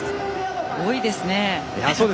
多いですね。